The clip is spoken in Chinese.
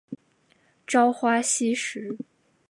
朝花夕拾